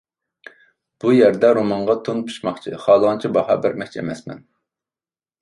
بۇ يەردە رومانغا تون پىچماقچى، خالىغانچە باھا بەرمەكچى ئەمەسمەن.